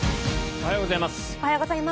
おはようございます。